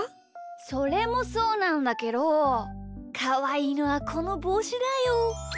それもそうなんだけどかわいいのはこのぼうしだよ。